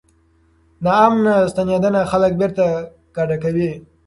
ناامنه ستنېدنه خلک بیرته کډه کوي.